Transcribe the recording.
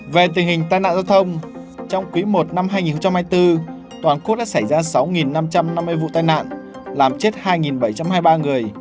về tình hình tai nạn giao thông trong quý i năm hai nghìn hai mươi bốn toàn quốc đã xảy ra sáu năm trăm năm mươi vụ tai nạn làm chết hai bảy trăm hai mươi ba người